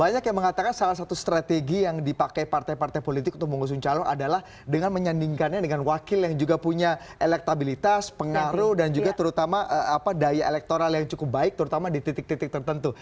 banyak yang mengatakan salah satu strategi yang dipakai partai partai politik untuk mengusung calon adalah dengan menyandingkannya dengan wakil yang juga punya elektabilitas pengaruh dan juga terutama daya elektoral yang cukup baik terutama di titik titik tertentu